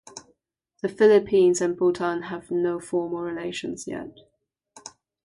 The Philippines and Bhutan have no formal relations yet.